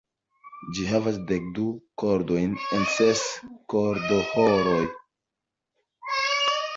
Ĝi havas dekdu kordojn en ses kordoĥoroj.